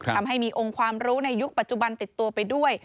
ทำให้มีองค์ความรู้ในยุคปัจจุบันติดตัวไปด้วย